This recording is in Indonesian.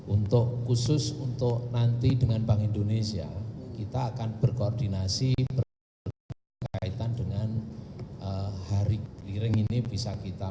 untuk khusus untuk nanti dengan bank indonesia kita akan berkoordinasi berkaitan dengan hari keliring ini bisa kita